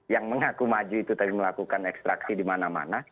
yang mengaku maju itu tadi melakukan ekstraksi di mana mana